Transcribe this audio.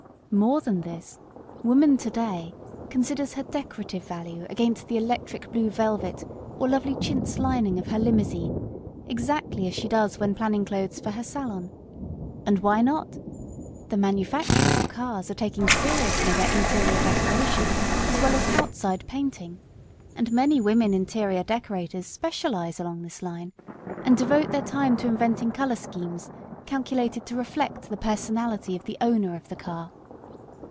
More than this, woman to day considers her decorative value against the electric blue velvet or lovely chintz lining of her limousine, exactly as she does when planning clothes for her salon. And why not? The manufacturers of cars are taking seriously their interior decoration as well as outside painting; and many women interior decorators specialise along this line and devote their time to inventing colour schemes calculated to reflect the personality of the owner of the car.